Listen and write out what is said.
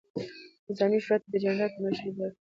نظامي شورا ته د جنرال په مشري هدایت کړی ؤ،